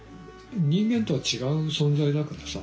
人間とは違う存在だからさ。